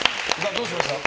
どうしました？